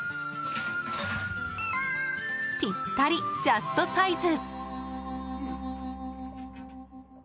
ぴったりジャストサイズ！